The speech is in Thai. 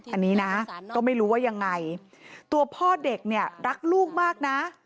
อันนี้นะก็ไม่รู้ว่ายังไงตัวพ่อเด็กเนี่ยรักลูกมากนะ